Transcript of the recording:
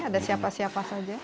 ada siapa siapa saja